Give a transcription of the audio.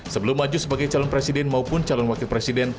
sebelum maju sebagai calon presiden maupun calon wakil presiden